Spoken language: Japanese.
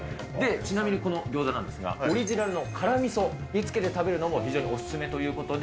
ちなみにこの餃子なんですが、オリジナルの辛みそにつけて食べるのも非常にお勧めということで。